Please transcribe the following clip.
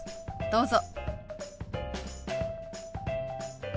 どうぞ。